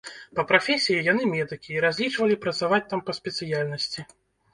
Па прафесіі яны медыкі і разлічвалі працаваць там па спецыяльнасці.